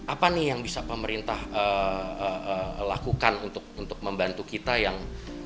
apa nih yang bisa pemerintah lakukan untuk membantu kita yang